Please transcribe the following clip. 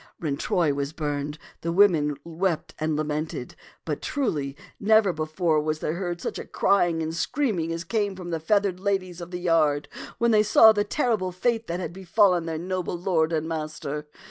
When Troy was burned, the women wept and la mented; but, truly, never before was there heard such crying and screaming as came from the feathered ladies of the yard when they saw the terrible fate that had befallen their noble lord and master.